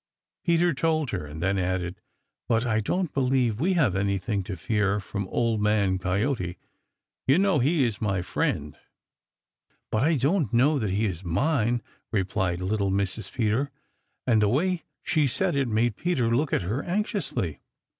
Peter told her and then added, "But I don't believe we have anything to fear from Old Man Coyote. You know he is my friend." "But I don't know that he is mine!" replied little Mrs. Peter, and the way she said it made Peter look at her anxiously.